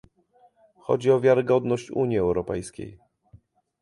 Chodzi o wiarygodność Unii Europejskiej